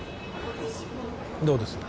どうです？